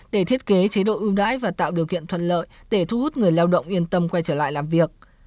để thiết kế chế độ ưu đãi và tạo điều kiện thuận lợi để thu hút người lao động yên tâm quay trở lại làm việc